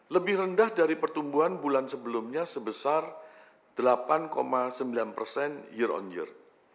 lebih rendah dari pertumbuhan bulan sebelumnya sebesar delapan sembilan persen year on year